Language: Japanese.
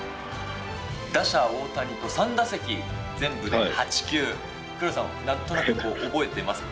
打者、大谷と３打席全部で８球、黒田さんはなんとなく覚えています？